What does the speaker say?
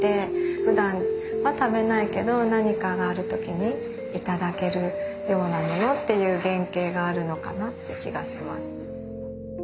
ふだんは食べないけど何かがある時にいただけるようなものっていう原型があるのかなって気がします。